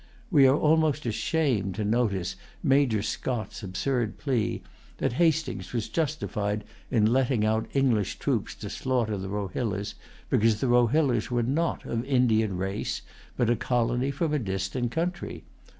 We are almost ashamed to notice Major Scott's absurd plea, that Hastings was justified in letting out English troops to slaughter the Rohillas, because the Rohillas were not of Indian race, but a colony from a distant country.